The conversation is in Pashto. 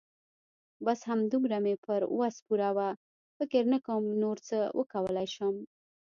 بس همدومره مې پر وس پوره وه. فکر نه کوم نور څه وکولای شم.